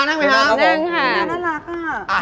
นี่น่ารักอ่ะ